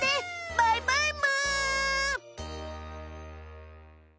バイバイむ！